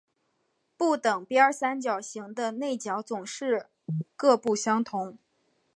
不等边三角形的内角总是各不相同。